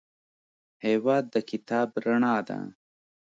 هېواد د کتاب رڼا ده.